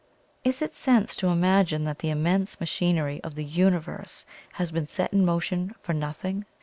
Is it sense to imagine that the immense machinery of the Universe has been set in motion for nothing?